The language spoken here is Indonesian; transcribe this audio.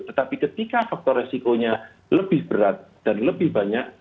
tetapi ketika faktor resikonya lebih berat dan lebih banyak